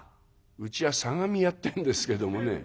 「うちは相模屋ってんですけどもね」。